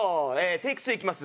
テイク２いきます。